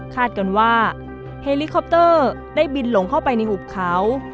กันว่าเฮลิคอปเตอร์ได้บินหลงเข้าไปในหุบเขา